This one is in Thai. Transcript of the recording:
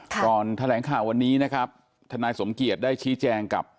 ก่อนแถลงข่าววันนี้นะครับทนายสมเกียจได้ชี้แจงกับ